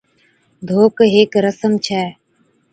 ڌوڪ ھيڪ رسم ڇَي